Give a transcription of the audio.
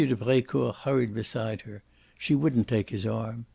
de Brecourt hurried beside her; she wouldn't take his arm.